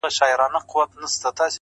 هره موخه د نظم غوښتنه کوي؛